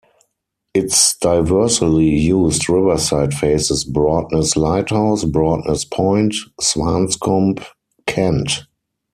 Its diversely used riverside faces Broadness Lighthouse, Broadness Point, Swanscombe, Kent.